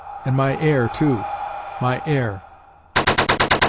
And my heir, too my heir!"